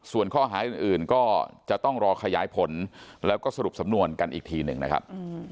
ส่วนข้อหาอื่นก็จะต้องรอขยายผลแล้วก็สรุปสำนวนกันอีกทีหนึ่งนะครับ